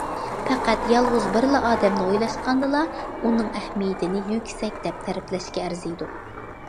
پەقەت يالغۇز بىرلا ئادەمنى ئويلاشقاندىلا ئۇنىڭ ئەھمىيىتىنى يۈكسەك دەپ تەرىپلەشكە ئەرزىيدۇ.